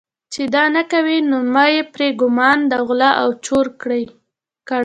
چې دا نه کوي یې نومه پرې ګومان د غله او چور کړي.